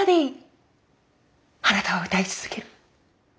あなたは歌い続ける。